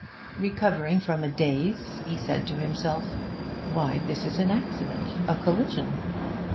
Recovering from a daze, he said to himself, 'Why, this is an accident a collision!'